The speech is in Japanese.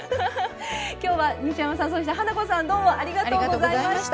今日は西山さんそして花子さんどうもありがとうございました。